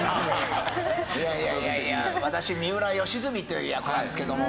いやいやいやいや私三浦義澄という役なんですけども。